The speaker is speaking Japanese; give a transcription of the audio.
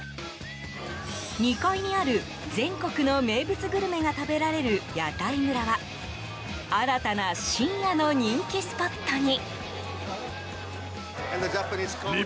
２階にある、全国の名物グルメが食べられる屋台村は新たな深夜の人気スポットに。